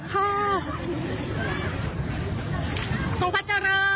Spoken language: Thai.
ทุนกรมอมหญิงอุบลรัฐราชกัญญาสิริวัฒนาพันธวดี